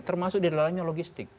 termasuk di dalamnya logistik